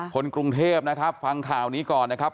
คนกรุงเทพนะครับฟังข่าวนี้ก่อนนะครับ